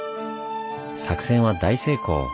作戦は大成功。